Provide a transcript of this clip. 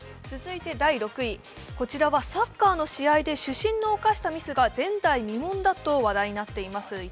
続いて第６位、サッカーの試合で主審の犯したミスが前代未聞だと話題になっています。